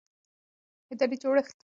اداري جوړښت د اړتیا له مخې بدلېږي.